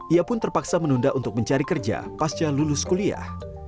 ia pun terpaksa menunda untuk mencari kerja pasca lulus kuliah